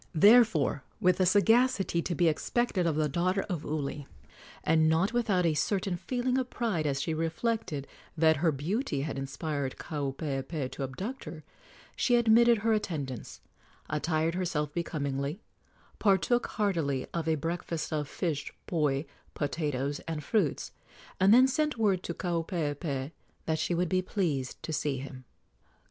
Therefore, with a sagacity to be expected of the daughter of Uli, and not without a certain feeling of pride as she reflected that her beauty had inspired Kaupeepee to abduct her, she admitted her attendants, attired herself becomingly, partook heartily of a breakfast of fish, poi, potatoes and fruits, and then sent word to Kaupeepee that she would be pleased to see him.